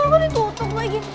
kok ditutup lagi